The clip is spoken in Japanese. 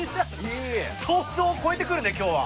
想像を超えてくるね今日は。